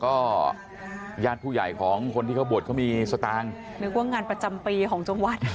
ก็ญาติผู้ใหญ่ของคนที่เขาบวชเขามีสตางค์นึกว่างานประจำปีของจังหวัด